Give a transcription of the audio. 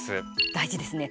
大事ですね。